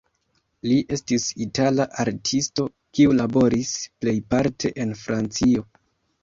Li estis itala artisto kiu laboris plejparte en Francio.